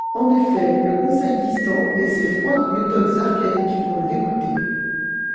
En effet, le Conseil distant et ses froides méthodes archaïques vont le dégoûter.